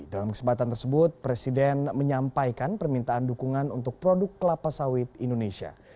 dalam kesempatan tersebut presiden menyampaikan permintaan dukungan untuk produk kelapa sawit indonesia